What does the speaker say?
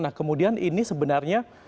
nah kemudian ini sepertinya